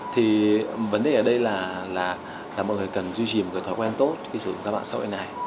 thì vấn đề ở đây là mọi người cần duy trì một cái thói quen tốt khi sử dụng các bạn sổ như thế này